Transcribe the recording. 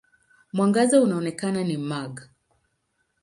Mwangaza unaoonekana ni mag.